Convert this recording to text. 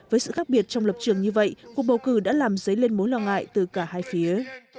với sự khác biệt trong lập trường như vậy cuộc bầu cử đã làm dấy lên mối lo ngại từ cả hai phía